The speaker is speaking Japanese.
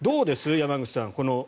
山口さん。